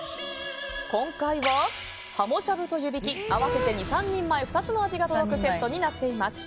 今回は、はもしゃぶと湯引き合わせて２３人前２つの味が楽しめるセットになっています。